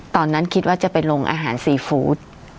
ตอนนั้นคิดว่าจะไปลงอาหารซีฟู้ด